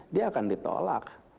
dia akan ditolak